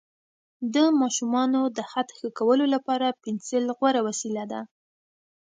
د ماشومانو د خط ښه کولو لپاره پنسل غوره وسیله ده.